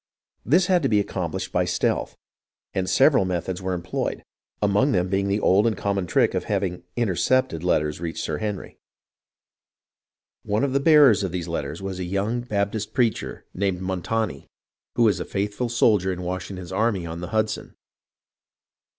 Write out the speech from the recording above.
This had to be accomplished by stealth, and several methods were employed, among them being the old and common trick of having "intercepted" letters reach Sir Henry. One of the bearers of these letter.'^ WASHINGTON'S MARCH AND ARNOLD'S RAID 37 1 was a young Baptist preacher named Montagnie, who was a faithful soldier in Washington's army on the Hudson.